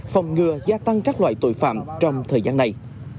phòng ngừa gia tăng các loại tội phạm trong thời gian này